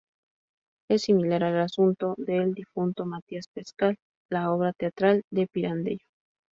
Es similar al asunto de "El difunto Matías Pascal", la obra teatral de Pirandello.